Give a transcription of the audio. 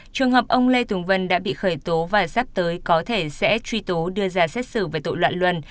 trường hợp ông lê tùng vân đã bị khởi tố và sắp tới có thể sẽ truy tố đưa ra xét xử về tội loạn luân